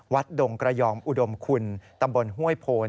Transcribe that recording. ดงกระยอมอุดมคุณตำบลห้วยโพน